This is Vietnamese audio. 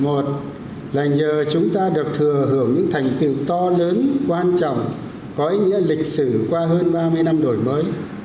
một là nhờ chúng ta được thừa hưởng những thành tựu to lớn quan trọng có ý nghĩa lịch sử qua hơn ba mươi năm đổi mới